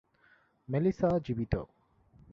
Melissa জীবিত।